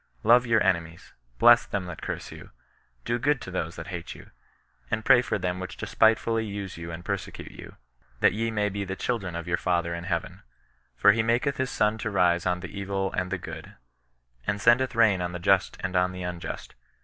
Love your enemies, bless them that curse you, do good to them that hate you, and pray for them which despite fully use you and persecute you ; that ye may be the children of your Father in Heaven. For he maketh his sun to rise on the evil and the good, and sendeth rain on the just and on the unjust.